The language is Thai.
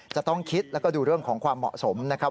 จะต้องคิดแล้วก็ดูเรื่องของความเหมาะสมนะครับ